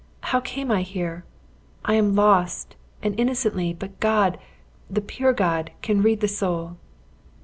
how came I here? I am lost and innocently; but God the pure God can read the soul!"